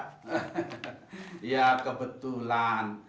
hehehe ya kebetulan